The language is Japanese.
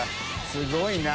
すごいな。